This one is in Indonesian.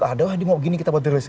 aduh ini mau kita buat release